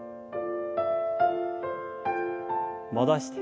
戻して。